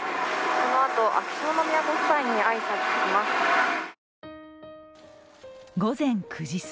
このあと、秋篠宮ご夫妻に挨拶します。